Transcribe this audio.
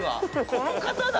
この方だ！